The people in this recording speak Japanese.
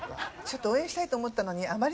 ちょっと応援したいと思ったのに。